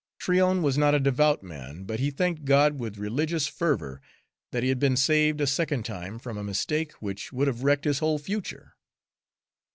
Tryon was not a devout man, but he thanked God with religious fervor that he had been saved a second time from a mistake which would have wrecked his whole future.